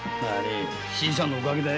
新さんのお陰だよ。